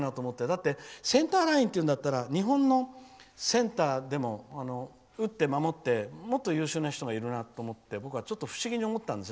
だって、センターラインっていうんだったら日本のセンターでも打って守ってもっと優秀な人がいるなと思って僕は不思議に思ったんです。